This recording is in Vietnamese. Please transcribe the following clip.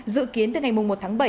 dự kiến từ ngày một tháng bảy